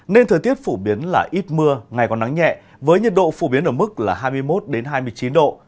nên thời tiết phổ biến là ít mưa ngày còn nắng nhẹ với nhiệt độ phổ biến ở mức là hai mươi một hai mươi chín độ